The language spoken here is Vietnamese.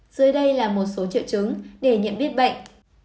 dưới đây là một số triệu chứng để nhận biết bệnh